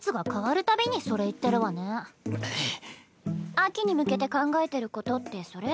秋に向けて考えてることってそれ？